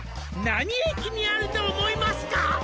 「何駅にあると思いますか？」